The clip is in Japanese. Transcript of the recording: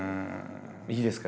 いいですか？